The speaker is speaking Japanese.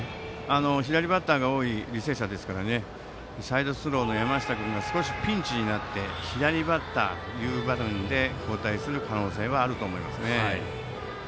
左バッターが多い履正社なのでサイドスローの山下君がピンチになって左バッターという場面で交代する可能性はあると思いますね。